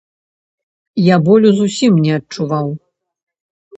Я болю зусім не адчуваў.